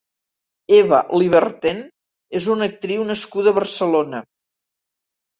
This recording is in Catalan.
Eva Lyberten és una actriu nascuda a Barcelona.